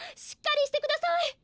しっかりしてください！